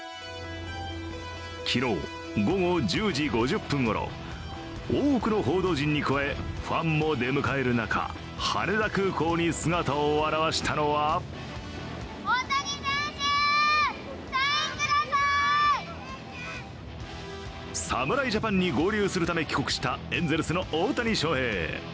昨日午後１０時５０分ごろ多くの報道陣に加えファンも出迎える中、羽田空港に姿を現したのは侍ジャパンに合流するため帰国したエンゼルスの大谷翔平。